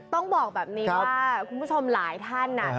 ต้องบอกแบบนี้ว่าคุณผู้ชมหลายท่าน